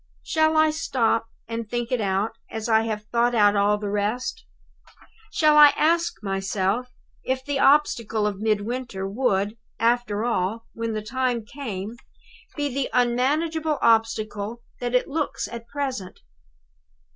"Shall I stop and think it out, as I have thought out all the rest? Shall I ask myself if the obstacle of Midwinter would, after all, when the time came, be the unmanageable obstacle that it looks at present?